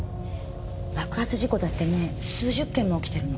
爆発事故だってね数十件も起きてるの。